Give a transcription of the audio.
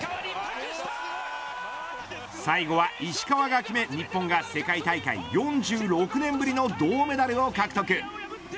最後は石川が決め日本が世界大会４６年ぶりの銅メダルを獲得。